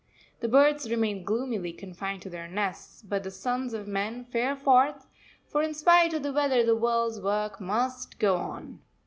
The birds remain gloomily confined to their nests, but the sons of men fare forth, for in spite of the weather the world's work must go on.